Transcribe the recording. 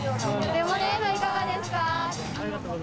レモネードいかがですか。